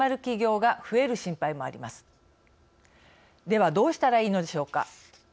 ではどうしたらいいのでしょうか。